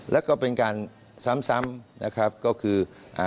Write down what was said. แล้วก็เป็นการซ้ำก็คือ๓๐๐๕๐๐